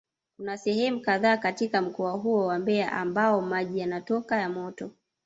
Kuna sehemu kadhaa katika mkoa huo wa Mbeya ambapo maji yanatoka ya moto